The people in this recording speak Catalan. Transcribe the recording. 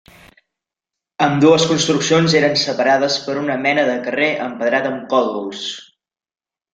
Ambdues construccions eren separades per una mena de carrer empedrat amb còdols.